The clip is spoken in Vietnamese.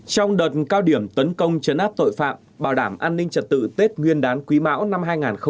trong đợt cao điểm tấn công chấn áp tội phạm bảo đảm an ninh trật tự tết nguyên đán quý mão năm hai nghìn hai mươi bốn